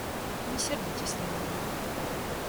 Не сердитесь на меня.